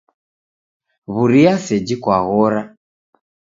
W'uria seji kwaghora?